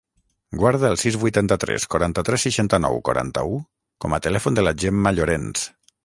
Guarda el sis, vuitanta-tres, quaranta-tres, seixanta-nou, quaranta-u com a telèfon de la Gemma Llorens.